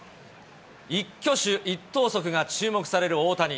一挙手一投足が注目される大谷。